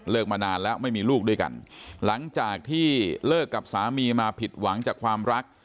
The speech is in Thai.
มานานแล้วไม่มีลูกด้วยกันหลังจากที่เลิกกับสามีมาผิดหวังจากความรัก